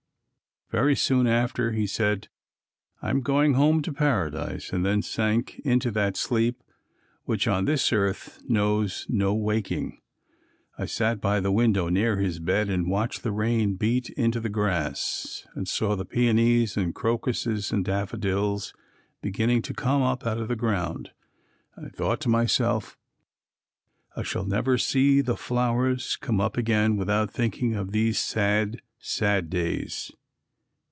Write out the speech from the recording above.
Very soon after he said, "I am going home to Paradise," and then sank into that sleep which on this earth knows no waking. I sat by the window near his bed and watched the rain beat into the grass and saw the peonies and crocuses and daffodils beginning to come up out of the ground and I thought to myself, I shall never see the flowers come up again without thinking of these sad, sad days.